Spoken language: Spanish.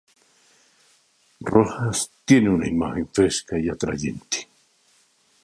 Rojas tiene una imagen fresca y atrayente.